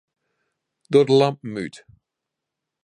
Doch de lampen út.